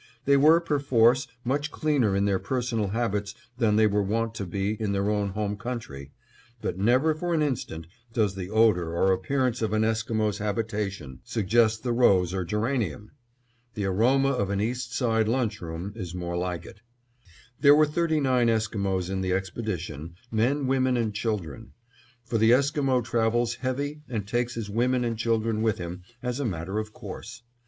They were perforce much cleaner in their personal habits than they were wont to be in their own home country, but never for an instant does the odor or appearance of an Esquimo's habitation suggest the rose or geranium. The aroma of an East Side lunch room is more like it. There were thirty nine Esquimos in the expedition, men, women and children; for the Esquimo travels heavy and takes his women and children with him as a matter of course.